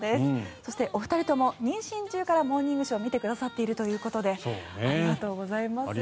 そして、お二人とも妊娠中から「モーニングショー」を見てくださっているということでありがとうございます。